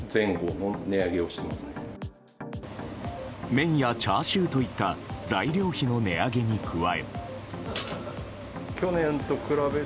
麺やチャーシューといった材料費の値上げに加え。